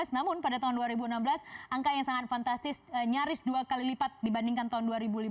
namun pada tahun dua ribu enam belas angka yang sangat fantastis nyaris dua kali lipat dibandingkan tahun dua ribu lima belas